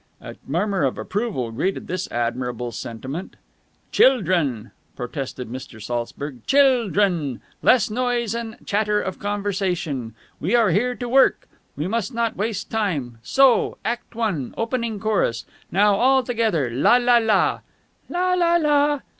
A murmur of approval greeted this admirable sentiment. "Childrun!" protested Mr. Saltzburg. "Chil drun! Less noise and chatter of conversation. We are here to work! We must not waste time! So! Act One, Opening Chorus. Now, all together. La la la...."